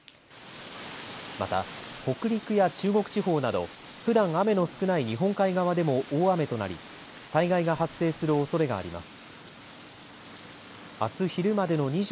また、北陸や中国地方など、ふだん雨の少ない日本海側でも大雨となり、災害が発生するおそれがあります。